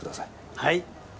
はい。